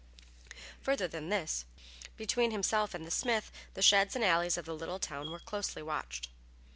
Further than this, between himself and the smith, the sheds and alleys of the little town were closely watched.